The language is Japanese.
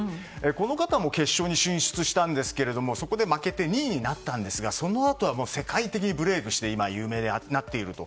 この方も決勝に進出したんですがそこで負けて２位になったんですがそのあとは世界的にブレークして今有名になっていると。